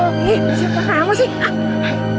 eh siapa kamu sih